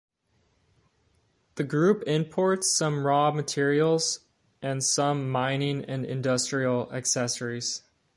The group imports some raw materials and some mining and industrial accessories.